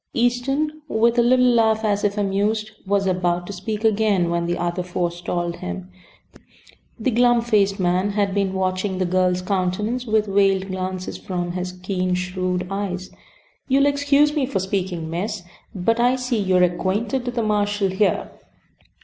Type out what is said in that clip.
Easton, with a little laugh, as if amused, was about to speak again when the other forestalled him. The glum faced man had been watching the girl's countenance with veiled glances from his keen, shrewd eyes. "You'll excuse me for speaking, miss, but, I see you're acquainted with the marshall here.